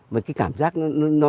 và cái cảm giác nó